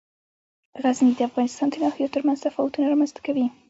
غزني د افغانستان د ناحیو ترمنځ تفاوتونه رامنځ ته کوي.